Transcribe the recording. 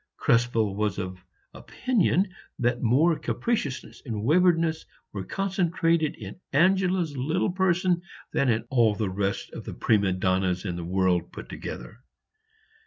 Krespel was of opinion that more capriciousness and waywardness were concentrated in Angela's little person than in all the rest of the prima donnas in the world put together.